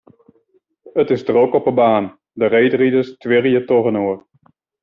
It is drok op 'e baan, de reedriders twirje trochinoar.